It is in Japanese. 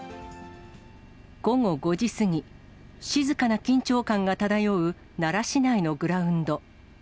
午後５時過ぎ、静かな緊張感が漂う奈良市内のグラウンド。